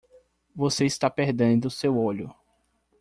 Você está perdendo seu olho.